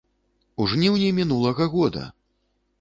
У жніўні мінулага года!